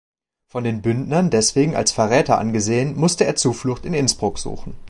Von den Bündnern deswegen als Verräter angesehen, musste er Zuflucht in Innsbruck suchen.